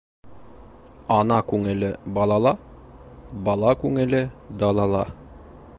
Ана күңеле балала, бала күңеле далала.